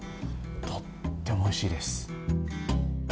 とってもおいしいです。